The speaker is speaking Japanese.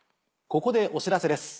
ここでお知らせです。